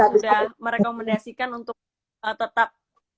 sudah merekomendasikan untuk tetap